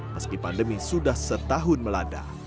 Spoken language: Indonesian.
meski pandemi sudah setahun melanda